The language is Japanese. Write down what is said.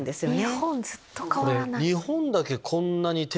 日本ずっと変わらない。